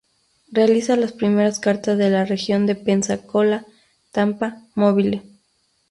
Realiza las primeras cartas de la región de Pensacola, Tampa, Mobile.